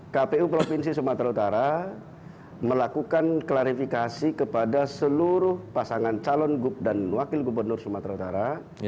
kpu provinsi sumatera utara melakukan klarifikasi kepada seluruh pasangan calon gub dan wakil gubernur sumatera utara